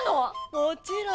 もちろん。